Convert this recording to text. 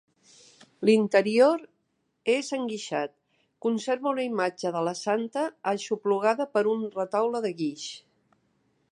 L'interior és enguixat; conserva una imatge de la santa, aixoplugada per un retaule de guix.